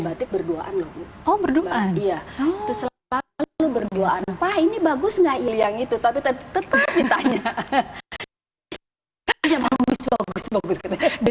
batik berduaan oh berdua iya selalu berduaan apa ini bagus nggak yang itu tapi tetep ditanya